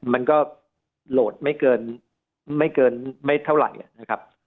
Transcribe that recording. มันก็โหลดไม่เกินไม่เกินไม่เท่าไหร่นะครับ